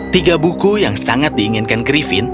tiga buku yang sangat diinginkan grifin